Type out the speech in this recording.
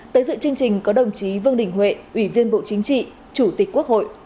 tới dự chương trình có đồng chí vương đình huệ ủy viên bộ chính trị chủ tịch quốc hội